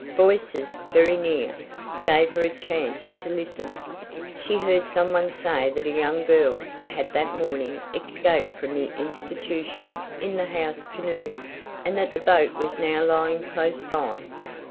Voices, very near, gave her a chance to listen. She heard some one say that a young girl had that morning escaped from the institution in the house canoe, and that the boat was now lying close by.